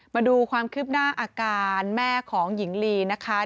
มาดูความคืบหน้าอาการแม่ของหญิงลีนะคะ